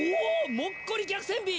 もっこり脚線美！